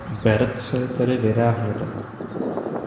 Bert se je tedy vydá hledat.